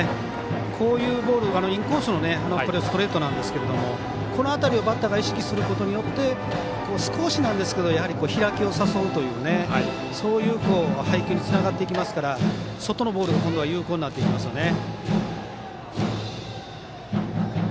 こういうボールインコースのストレートなんですけどこの辺りをバッターが意識することによって少しなんですけど開きを誘うというそういう配球につながっていきますから外のボール、今度は有効になっていきますよね。